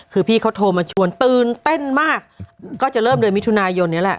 คือพี่เขาโทรมาชวนตื่นเต้นมากก็จะเริ่มเดือนมิถุนายนนี้แหละ